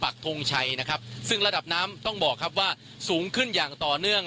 ทงชัยนะครับซึ่งระดับน้ำต้องบอกครับว่าสูงขึ้นอย่างต่อเนื่อง